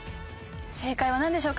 正解はなんでしょうか？